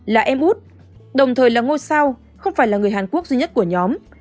là em út đồng thời là ngôi sao không phải là người hàn quốc duy nhất của nhóm